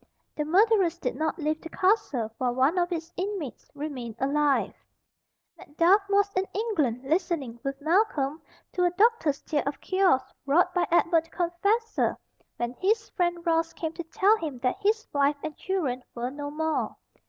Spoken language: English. The murderers did not leave the castle while one of its inmates remained alive. Macduff was in England listening, with Malcolm, to a doctor's tale of cures wrought by Edward the Confessor when his friend Ross came to tell him that his wife and children were no more.